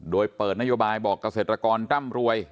โดยเปิดนโยบายบอกเกษตรกรร่ำรวย